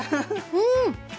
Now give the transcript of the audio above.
うん！